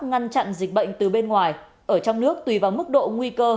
ngăn chặn dịch bệnh từ bên ngoài ở trong nước tùy vào mức độ nguy cơ